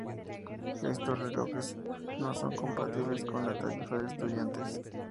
Estos relojes no son compatibles con la tarifa de estudiantes.